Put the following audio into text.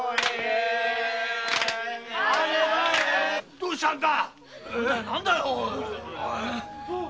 どうしたんだ？